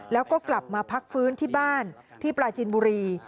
แล้วก็กลับมาพักฟื้นที่บ้านที่ปลาจินบุรี